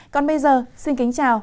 còn bây giờ xin kính chào